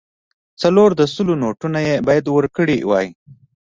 څلور د سلو نوټونه یې باید ورکړای وای.